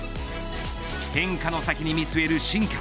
変化の先に見据える進化。